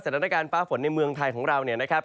สถานการณ์ปลาฝนในเมืองไทยของเราเนี่ยนะครับ